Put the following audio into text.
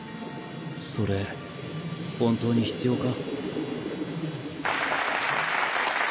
それ本当に必要か？